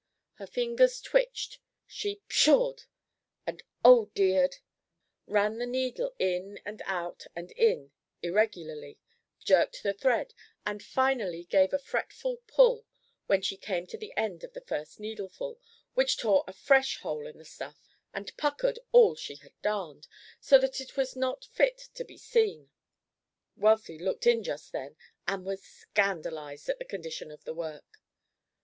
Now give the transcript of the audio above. Her fingers twitched, she "pshawed," and "oh deared," ran the needle in and out and in irregularly, jerked the thread, and finally gave a fretful pull when she came to the end of the first needleful, which tore a fresh hole in the stuff and puckered all she had darned, so that it was not fit to be seen. Wealthy looked in just then, and was scandalized at the condition of the work.